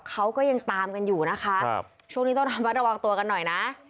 เขาก็ยังตามกันอยู่นะคะช่วงนี้ต้องระมัดระวังตัวกันหน่อยนะ